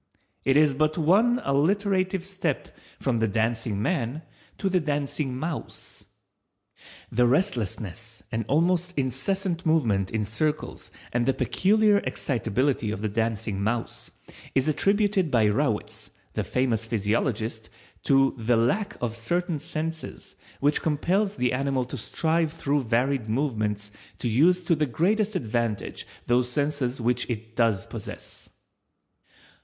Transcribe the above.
It is but one alliterative step from the Dancing man to the Dancing mouse. The restlessness and almost incessant movement in circles and the peculiar excitability of the Dancing mouse is attributed by Rawitz, the famous physiologist, to the _lack of certain senses which compels the animal to strive through varied movements to use to the greatest advantage those senses which it does possess_.